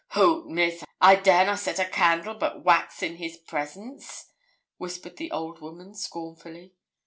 'Hoot! Miss. I dare na' set a candle but wax in his presence,' whispered the old woman, scornfully.